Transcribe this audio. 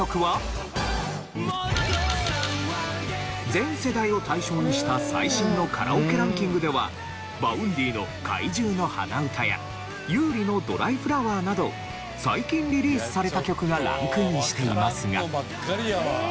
全世代を対象にした最新のカラオケランキングではＶａｕｎｄｙの『怪獣の花唄』や優里の『ドライフラワー』など最近リリースされた曲がランクインしていますが。